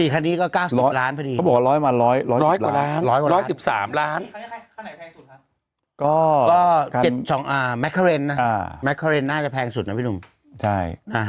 ๔คันนี้ก็๙๐ล้านพอดีเขาบอกว่า๑๐๐มา๑๐๐